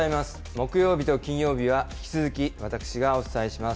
木曜日と金曜日は引き続き私がお伝えします。